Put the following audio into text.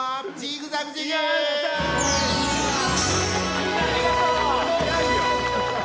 みんなありがとう！